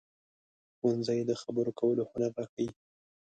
ښوونځی د خبرو کولو هنر راښيي